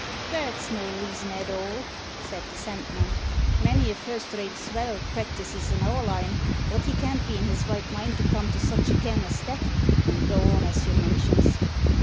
"That's no reason at all," said the Sandman. "Many a first rate svell practises in our line. But he can't be in his right mind to come to such a ken as that, and go on as you mentions."